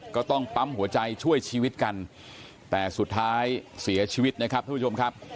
ก็ต้องปั๊มหัวใจช่วยชีวิตกันแต่สุดท้ายเสียชีวิตนะครับทุกผู้ชมครับ